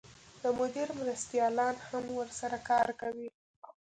د مدیر مرستیالان هم ورسره کار کوي.